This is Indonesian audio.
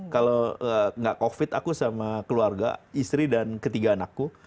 kalau nggak covid aku sama keluarga istri dan ketiga anakku